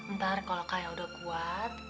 ntar kalau kayak udah kuat